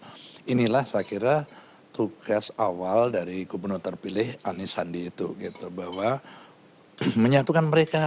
hai inilah saya kira tugas awal dari gubernur terpilih anisandi itu gitu bahwa menyatukan mereka